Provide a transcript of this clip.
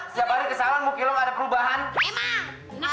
siap hari ke salon mungkin lho ada perubahan